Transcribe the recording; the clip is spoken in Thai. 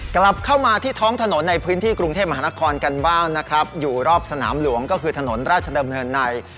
กลับเข้ามาที่ท้องถนนในพื้นที่กรุงเทพมหานครกันบ้างนะครับอยู่รอบสนามหลวงก็คือถนนราชดำเนินใน